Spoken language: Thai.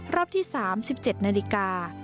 รอบที่๓๗นาฬิกา